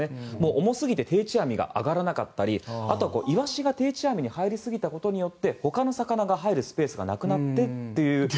重すぎて定置網が上がらなかったりイワシが定置網に入りすぎたことで他の魚が入るスペースがなくなっている。